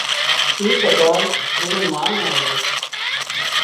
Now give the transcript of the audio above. اي پگھار اين نِي مان نين آلتو